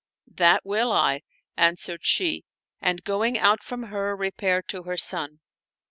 "" That will I," answered she and, going out from her, re paired to her son.